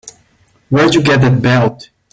Where'd you get that belt?